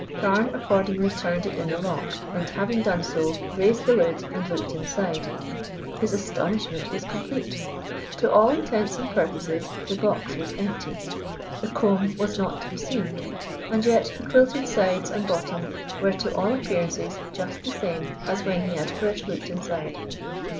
Carne accordingly turned it in the lock, and, having done so, raised the lid and looked inside. His astonishment was complete. To all intents and purposes the box was empty. The comb was not to be seen, and yet the quilted sides and bottom were, to all appearances, just the same as when he had first looked inside.